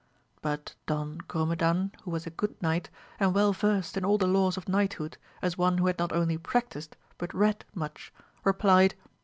But Don Grumedan, who was a good knight, and well versed in all the laws of knighthood, as one who had not only practised but read much, replied.